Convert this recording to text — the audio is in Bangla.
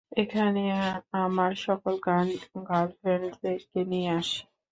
এখানে আমি আমার সকল গার্লফ্রেন্ডদেরকে নিয়ে আসি।